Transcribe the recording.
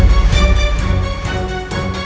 di tempat ini